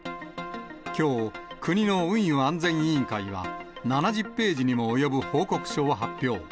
きょう、国の運輸安全委員会は７０ページにも及ぶ報告書を発表。